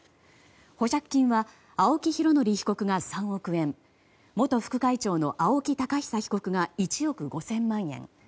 保釈金は青木拡憲被告が３億円元副会長の青木寶久被告が１億５０００万円